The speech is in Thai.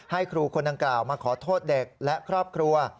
ให้ครูคนดังกล่าวมาขอโทษเด็กและครอบครัว